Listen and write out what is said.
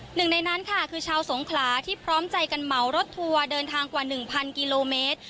หนึ่งในนั้นค่ะคือชาวสงขลาที่พร้อมใจกันเหมารถทัวร์เดินทางกว่า๑๐๐กิโลเมตร